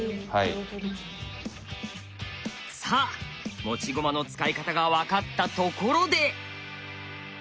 さあ持ち駒の使い方が分かったところで。